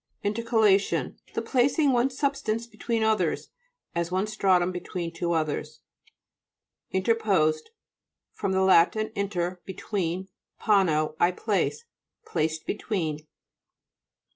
INTERCALATION The placing one substance between others, as one stratum between two others. INTERPOSED fr. lat. inter, between, pono, I place. Placed between.